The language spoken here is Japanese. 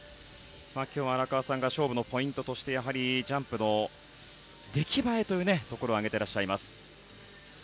今日は荒川さんが勝負のポイントとしてやはりジャンプの出来栄えというところを挙げていらっしゃいます。